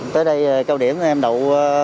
tới đây cao điểm em đậu